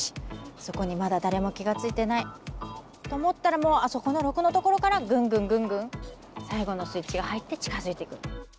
そこにまだ誰も気が付いてないと思ったらもうあそこの６のところからぐんぐんぐんぐん最後のスイッチが入って近づいてくる。